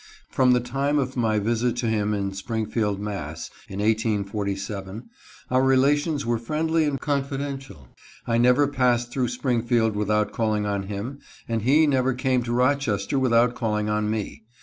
From the time of my visit to him in Springfield, Mass., in 1847, our relations were friendly and confidential. I never passed through Springfield without calling on him, and he never came to Rochester without calling on me.